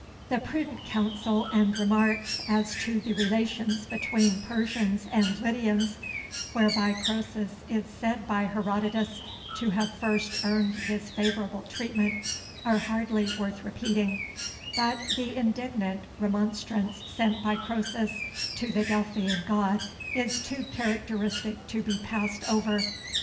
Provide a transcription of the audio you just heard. The prudent counsel and remarks as to the relations between Persians and Lydians, whereby Croesus is said by Herodotus to have first earned this favorable treatment, are hardly worth repeating; but the indignant remonstrance sent by Croesus to the Delphian god is too characteristic to be passed over.